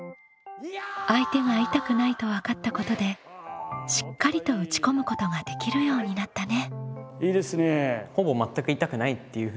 相手が痛くないと分かったことでしっかりと打ち込むことができるようになったね。